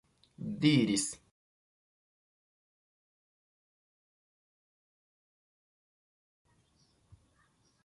diris